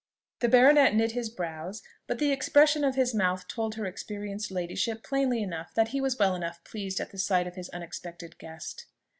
The baronet knit his brows, but the expression of his mouth told her experienced ladyship plainly enough that he was well enough pleased at the sight of his unexpected guest.